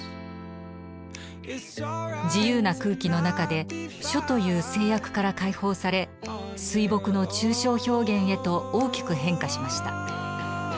自由な空気の中で「書」という制約から解放され水墨の抽象表現へと大きく変化しました。